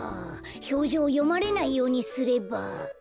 ひょうじょうをよまれないようにすれば。